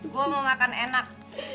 gua mau makan enak